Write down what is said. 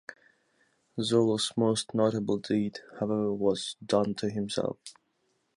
Zola’s most notable deed, however, was done to himself.